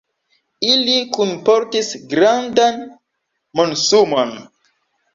Ili kunportis grandan monsumon.